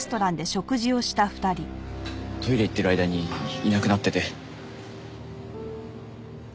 トイレ行ってる間にいなくなってて。